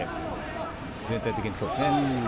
全体的にそうですね。